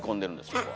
そこは。